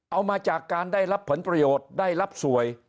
เอามาจากการได้รับผลประโยชน์ได้รับสวย